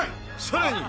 さらに